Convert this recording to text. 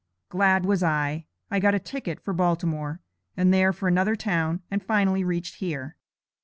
Glad was I. I got a ticket for Baltimore, and there for another town, and finally reached here."